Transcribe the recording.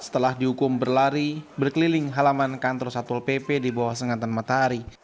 setelah dihukum berlari berkeliling halaman kantor satpol pp di bawah sengatan matahari